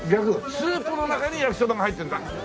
スープの中に焼きそばが入ってるんだ。